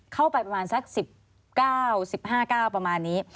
ซับรัก๑๙๑๕ก้าวประมาณนี้